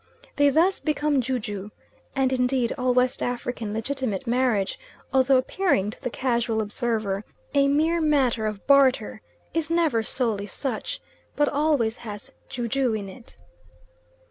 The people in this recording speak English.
They thus become ju ju; and indeed all West African legitimate marriage, although appearing to the casual observer a mere matter of barter, is never solely such, but always has ju ju in it.